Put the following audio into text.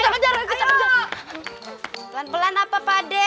pelan pelan apa pade